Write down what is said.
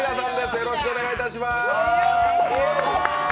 よろしくお願いします。